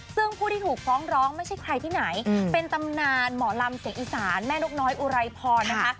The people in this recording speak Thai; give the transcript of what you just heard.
ซึ่งผู้ที่ถูกฟ้องร้องไม่ใช่ใครที่ไหนเป็นตำนานหมอลำเสียงอีสานแม่นกน้อยอุไรพรนะคะ